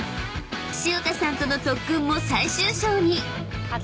［潮田さんとの特訓も最終章に］